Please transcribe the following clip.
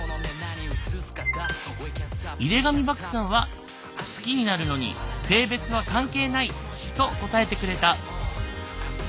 井手上漠さんは好きになるのに性別は関係ないと答えてくれた。